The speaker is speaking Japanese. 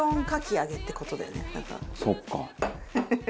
「そっか」